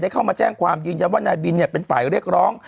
เข้ามาแจ้งความยืนยันว่านายบินเป็นฝ่ายเรียกร้อง